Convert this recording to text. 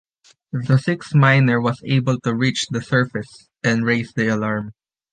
The sixth miner was able to reach the surface and raise the alarm.